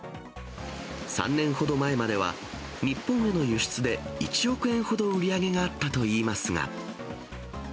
３年ほど前までは、日本への輸出で１億円ほど売り上げがあったといいますが。